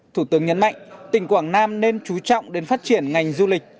thủ tướng nhấn mạnh tỉnh quảng nam nên chú trọng đến phát triển ngành du lịch